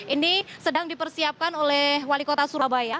ini sedang dipersiapkan oleh wali kota surabaya